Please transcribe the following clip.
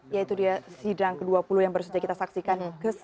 bagi dia yang sedang ke dua puluh yang kita saksikan